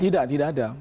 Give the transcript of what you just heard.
tidak tidak ada